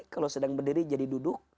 kalau sedang berdiri jadi duduk